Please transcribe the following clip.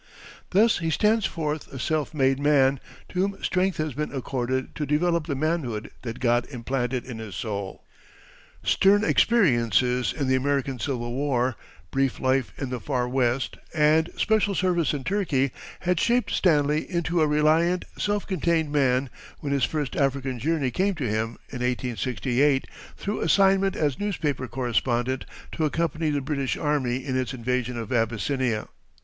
Thus he stands forth a self made man to whom strength has been accorded to develop the manhood that God implanted in his soul. Stern experiences in the American civil war, brief life in the far West, and special service in Turkey had shaped Stanley into a reliant, self contained man when his first African journey came to him, in 1868, through assignment as newspaper correspondent to accompany the British army in its invasion of Abyssinia.